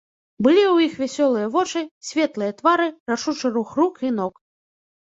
Былі ў іх вясёлыя вочы, светлыя твары, рашучы рух рук і ног.